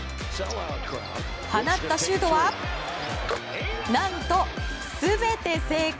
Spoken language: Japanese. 放ったシュートは何と、全て成功。